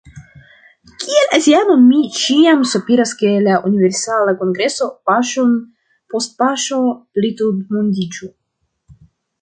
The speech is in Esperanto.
Kiel aziano mi ĉiam sopiras ke la Universala Kongreso paŝon post paŝo plitutmondiĝu.